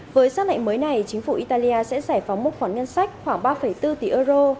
với xác lệnh mới này chính phủ italia sẽ giải phóng một khoản ngân sách khoảng ba bốn tỷ euro